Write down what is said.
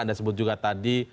anda sebut juga tadi